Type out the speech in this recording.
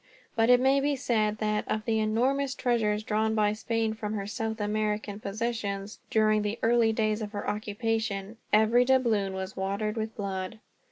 But it may be said that, of the enormous treasures drawn by Spain from her South American possessions, during the early days of her occupation, every doubloon was watered with blood.